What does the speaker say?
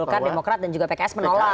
golkar demokrat dan juga pks menolak